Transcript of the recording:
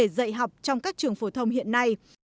vấn đề dạy học trong các trường phổ thông hiện nay